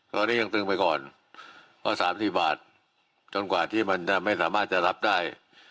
ตอนนี้ยังตึงไปก่อนว่า๓๔บาทจนกว่าที่มันจะไม่สามารถจะรับได้